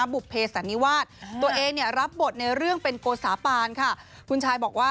บุภเพสันนิวาสตัวเองรับบทในเรื่องเป็นโกสาปานค่ะ